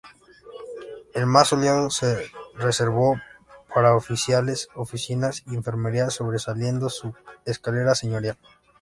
El más soleado se reservó para oficiales, oficinas y enfermería, sobresaliendo su escalera señorial.